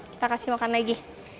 kita kasih makan lagi